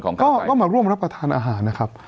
ก็มาร่วมรับประทานอาหารนะครับ